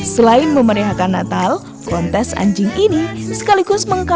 selain memerihakan natal kontes anjing ini sekaligus mengembangkan